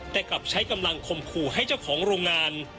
แต่กลับใช้กำลังคมขู่ให้เจ้าของโรงงาน